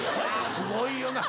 すごいよな